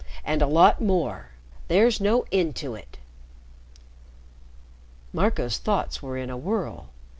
And a lot more. There's no end to it!" Marco's thoughts were in a whirl.